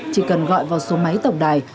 chỉ cần gọi vào số máy tổng đài